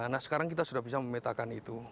nah sekarang kita sudah bisa memetakan itu